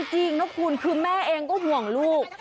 จริงนะคุณคือแม่เองก็ห่วงลูก